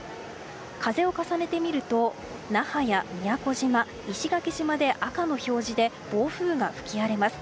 風を重ねてみると那覇や宮古島、石垣島で赤の表示で、暴風が吹き荒れます。